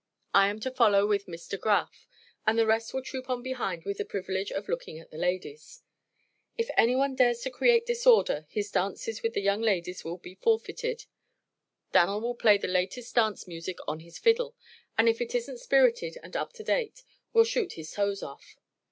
I am to follow with Miss De Graf, and the rest will troop on behind with the privilege of looking at the ladies. If anyone dares to create disorder his dances with the young ladies will be forfeited. Dan'l will play the latest dance music on his fiddle, and if it isn't spirited and up to date we'll shoot his toes off.